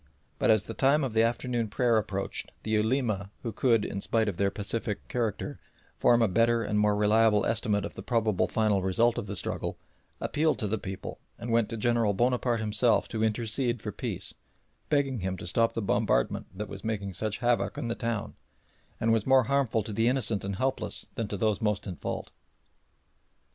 But as the time of the afternoon prayer approached the Ulema who could, in spite of their pacific character, form a better and more reliable estimate of the probable final result of the struggle, appealed to the people, and went to General Bonaparte himself to intercede for peace, begging him to stop the bombardment that was making such havoc in the town, and was more harmful to the innocent and helpless than to those most in fault.